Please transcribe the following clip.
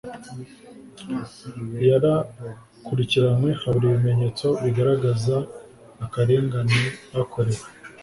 yarakurikiranywe habura ibimenyetso bigaragaza akarengane kakorewe